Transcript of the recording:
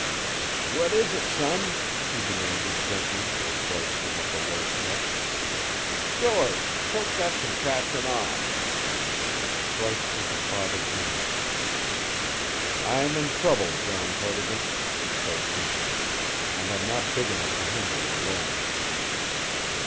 "What is it, son?" he demanded gently as Bryce came up the low steps. "George, choke that contraption off." Bryce took his father's hand. "I'm in trouble, John Cardigan," he said simply, "and I'm not big enough to handle it alone."